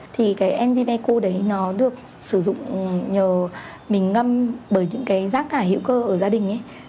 thì cái nzpeco đấy nó được sử dụng nhờ mình ngâm bởi những cái rác thải hữu cơ ở gia đình ấy